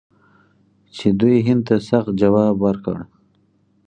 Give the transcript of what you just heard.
چې دوی هند ته سخت ځواب ورکړ.